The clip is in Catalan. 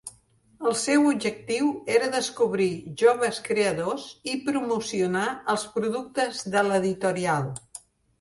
El seu objectiu era descobrir joves creadors i promocionar els productes de l'editorial.